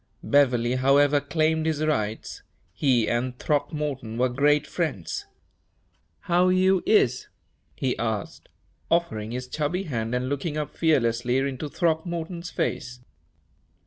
Beverley, however, claimed his rights. He and Throckmorton were great friends. "How you is?" he asked, offering his chubby hand and looking up fearlessly into Throckmorton's face.